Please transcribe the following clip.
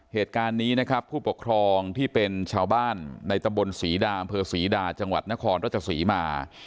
เหตุการณ์นี้นะครับผู้ปกครองที่เป็นชาวบ้านในตำบลศรีดาอำเภอศรีดาจังหวัดนครรัชศรีมา